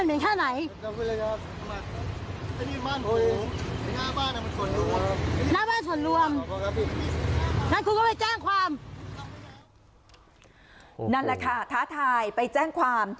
นั่นแหละค่ะท้าทายไปแจ้งความ